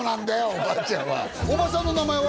おばあちゃんは叔母さんの名前は？